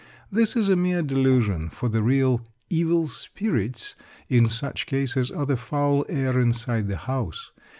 This is a mere delusion, for the real "evil spirits" in such cases are the foul air inside the house.